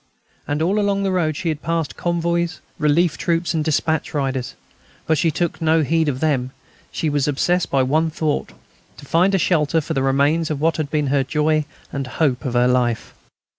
And all along the road she had passed convoys, relief troops and despatch riders; but she took no heed of them; she was obsessed by one thought; to find a shelter for the remains of what had been the joy and hope of her life.